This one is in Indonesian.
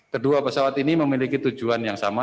kedua pesawat ini memiliki tujuan yang sama